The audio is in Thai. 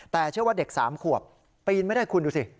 แต่เชื่อว่าเด็ก๓ขวบปีนไม่ได้คุณดูสิ